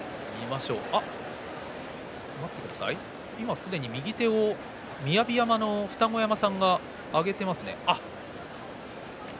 すぐに右手を雅山の二子山さんが上げていますね。